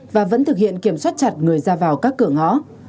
và vẫn thực hiện kiểm soát chặt người ra vào các cửa ngõ